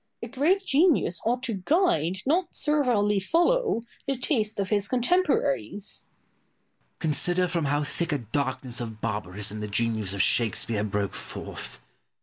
Boileau. A great genius ought to guide, not servilely follow, the taste of his contemporaries. Pope. Consider from how thick a darkness of barbarism the genius of Shakespeare broke forth!